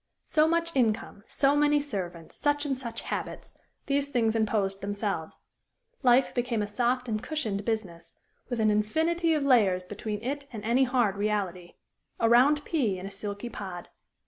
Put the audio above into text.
So much income, so many servants, such and such habits these things imposed themselves. Life became a soft and cushioned business, with an infinity of layers between it and any hard reality a round pea in a silky pod.